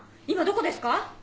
今どこですか？